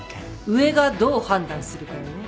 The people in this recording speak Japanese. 上がどう判断するかよね。